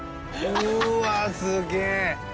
小峠：うわ、すげえ！